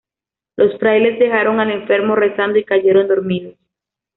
Los frailes dejaron al enfermo rezando y cayeron dormidos.